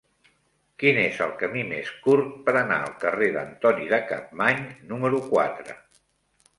Quin és el camí més curt per anar al carrer d'Antoni de Capmany número quatre?